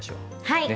はい。